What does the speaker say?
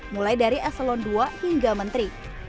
mulai dari asalon dua hingga menteri